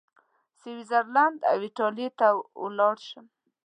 سویس زرلینډ او ایټالیې ته ولاړ شم.